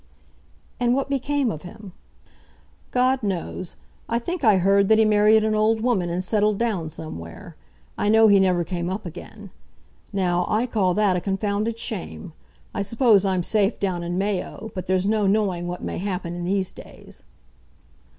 "And what became of him?" "God knows. I think I heard that he married an old woman and settled down somewhere. I know he never came up again. Now, I call that a confounded shame. I suppose I'm safe down in Mayo, but there's no knowing what may happen in these days."